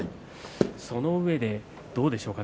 そのうえでどうでしょう？